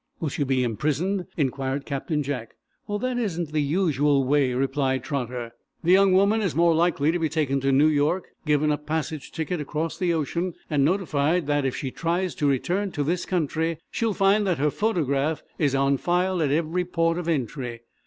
"Will she be imprisoned?" inquired Captain Jack. "Well, that isn't the usual way," replied Trotter. "The young woman is more likely to be taken to New York, given a passage ticket across the ocean, and notified that, if she tries to return to this country, she will find that her photograph is on file at every port of entry.